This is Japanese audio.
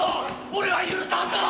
俺は許さんぞ！！